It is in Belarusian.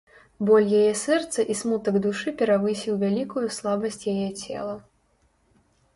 Боль яе сэрца і смутак душы перавысіў вялікую слабасць яе цела.